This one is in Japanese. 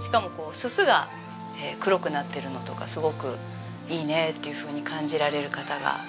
しかもこうすすが黒くなってるのとかすごくいいねっていうふうに感じられる方が多いですね。